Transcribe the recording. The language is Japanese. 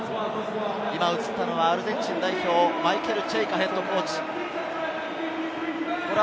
今、映ったのはアルゼンチン代表、マイケル・チェイカＨＣ。